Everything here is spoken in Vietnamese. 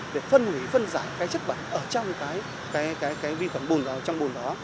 để phân hủy phân giải cái chất bẩn ở trong cái vi quả bùn đó